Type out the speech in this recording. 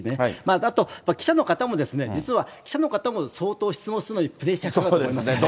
あと、記者の方も、実は記者の方も相当、質問するのにプレッシャーかかると思いますけどね。